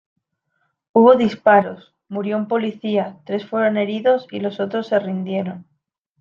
Hubo disparos, murió un policía, tres fueron heridos y los otros se rindieron.